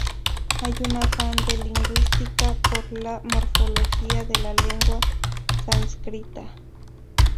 Hay un afán del lingüista por la morfología de la lengua sánscrita.